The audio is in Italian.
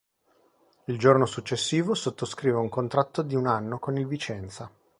Il giorno successivo sottoscrive un contratto di un anno con il Vicenza.